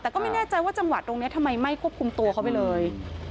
แต่ก็ไม่แน่ใจว่าจังหวัดตรงนี้ทำไมไม่ควบคุมตัวเขาไปเลย